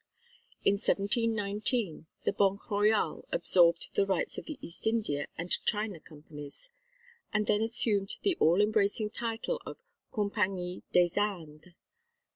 In 1719, the Banque Royale absorbed the rights of the East India and China Companies, and then assumed the all embracing title of Compagnie des Indes.